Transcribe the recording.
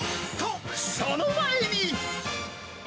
と、その前に。